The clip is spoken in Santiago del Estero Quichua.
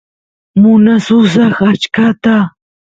munasusaq achkata